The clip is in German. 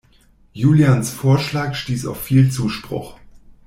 Julians Vorschlag stieß auf viel Zuspruch.